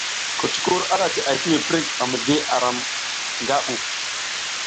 Kucukur ara jiʼay ti mi prik ba mizli aram nga ɓu.